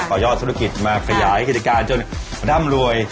ยอดธุรกิจมาขยายกิจการจนร่ำรวย